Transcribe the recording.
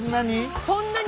そんなに？